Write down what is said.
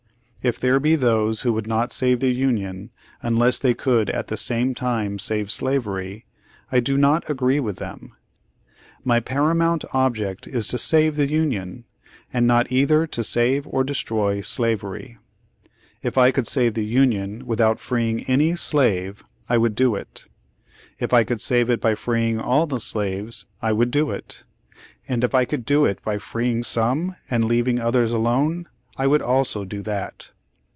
"If there be those who would not save the Union unless they could at the same time save Slavery, I do not agree with them, "My paramount object is to save the Union, and not either to save or destroy Slavery. "If I could save the Union without freeing any slave, I would do it — if I could save it by freeing all the slaves, I would do it— and if I could do it by freeing some and leaving others alone, I would also do that.